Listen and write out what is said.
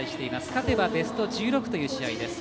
勝てばベスト１６という試合です。